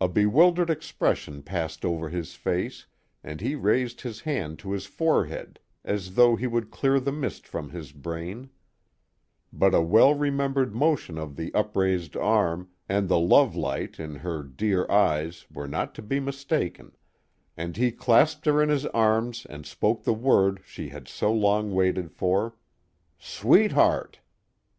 A bewildered expression passed over his face, and he raised his hand to his forehead as though he would clear the mist from his brain, but a well remembered motion of the upraised arm and the love light in her dear 256 The Mohawk Valley ^H eyes were not to be mistaken, and he clasped her in his arms and spoke the word she had so lon;^ wailed for, '' Sweetheart